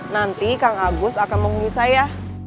nanti kang agus akan menghubungi saya